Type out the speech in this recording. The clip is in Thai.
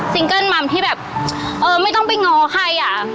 เกิลมัมที่แบบเออไม่ต้องไปง้อใครอ่ะ